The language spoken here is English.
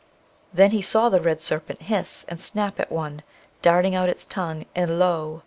Then he saw the red serpent hiss and snap at one, darting out its tongue, and lo!